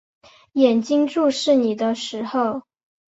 眼睛注视你的时候